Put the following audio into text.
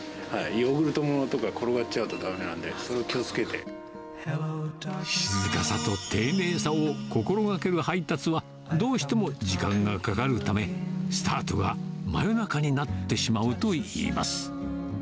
ヨーグルトものとか、転がっちゃうとだめなんで、それを気をつけ静かさと丁寧さを心がける配達はどうしても時間がかかるため、スタートが真夜中になってしまうといいます。